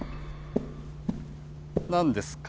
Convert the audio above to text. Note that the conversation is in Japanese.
何ですか？